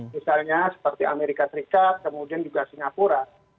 misalnya seperti amerika serikat kemudian juga singapura